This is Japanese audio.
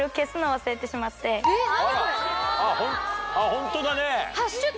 ホントだね。